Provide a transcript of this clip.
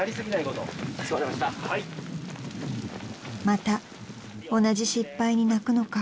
［また同じ失敗に泣くのか］